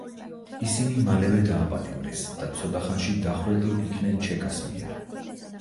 ისინი მალევე დააპატიმრეს და ცოტა ხანში დახვრეტილ იქნენ ჩეკას მიერ.